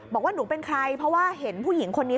บอกว่าหนูเป็นใครเพราะว่าเห็นผู้หญิงคนนี้